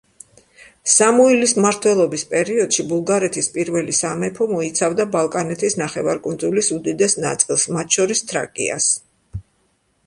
სამუილის მმართველობის პერიოდში ბულგარეთის პირველი სამეფო მოიცავდა ბალკანეთის ნახევარკუნძულის უდიდეს ნაწილს, მათ შორის თრაკიას.